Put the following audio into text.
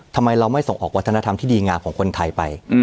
ทำไมเราไม่ส่งออกวัฒนธรรมที่ดีงามของคนไทยไป